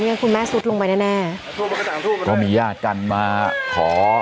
คุณแม่ซุดลงไปแน่แน่ก็มีญาติกันมาขอ